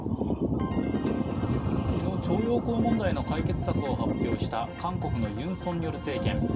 昨日徴用工問題の解決策を発表した韓国のユン・ソンニョル政権。